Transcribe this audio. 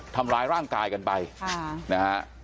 ทำร้ายร่างกายกันไปนะฮะ